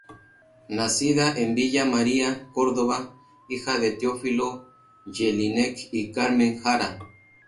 Nacida en Villa María, Córdoba, hija de Teófilo Jelinek y Carmen Jara.